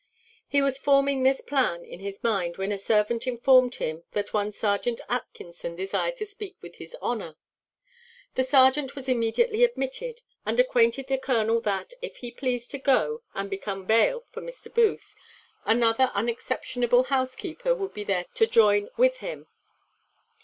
He was forming this plan in his mind when a servant informed him that one serjeant Atkinson desired to speak with his honour. The serjeant was immediately admitted, and acquainted the colonel that, if he pleased to go and become bail for Mr. Booth, another unexceptionable housekeeper would be there to join with him.